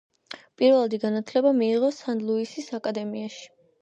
პირველადი განათლება მიიღო სან-ლუისის აკადემიაში.